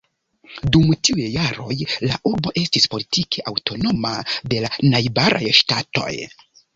Dum tiuj jaroj la urbo estis politike aŭtonoma de la najbaraj ŝtatoj.